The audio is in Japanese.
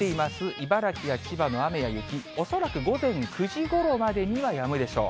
茨城や千葉の雨や雪、恐らく午前９時ごろまでにはやむでしょう。